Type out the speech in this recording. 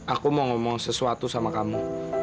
aku mau ngomong sesuatu sama kamu